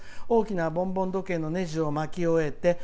大きなボンボン時計のねじを巻き終えて